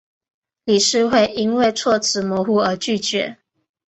理事会因为措辞模糊而拒绝。